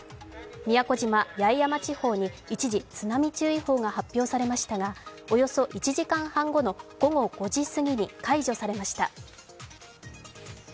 宮古島・八重山地方に一時、津波注意報が発表されましたがおよそ１時間半後の午後５時すぎに解除されました。